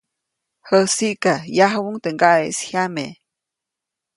Jäsiʼka, yajuʼuŋ teʼ ŋgaʼeʼis jyame.